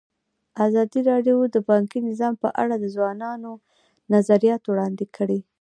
ازادي راډیو د بانکي نظام په اړه د ځوانانو نظریات وړاندې کړي.